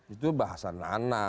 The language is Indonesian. itu bahasa nana